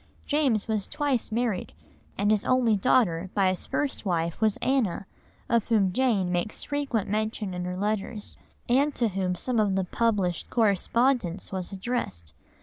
James was twice married, and his only daughter by his first wife was Anna, of whom Jane makes frequent mention in her letters, and to whom some of the published correspondence was addressed.